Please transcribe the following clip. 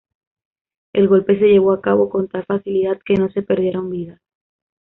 El golpe se llevó a cabo con tal facilidad que no se perdieron vidas.